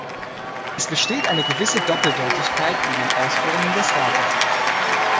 Es besteht eine gewisse Doppeldeutigkeit in den Ausführungen des Rates.